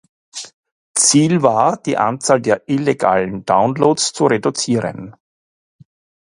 Ziel war, die Anzahl der illegalen Downloads zu reduzieren.